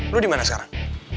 lu dimana sekarang